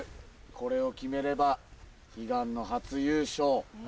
これを決めれば悲願の初優勝。